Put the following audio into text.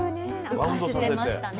浮かせてましたね。